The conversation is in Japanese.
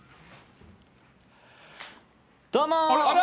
どうも！